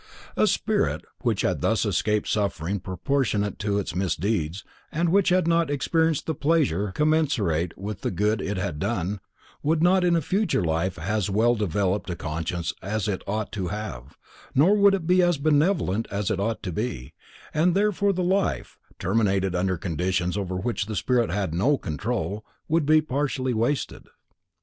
A spirit which had thus escaped suffering proportionate to its misdeeds, and which had not experienced the pleasure commensurate with the good it had done, would not in a future life have as well developed a conscience as it ought to have, nor would it be as benevolent as it ought to be, and therefore the life, terminated under conditions over which the spirit had no control, would be partly wasted.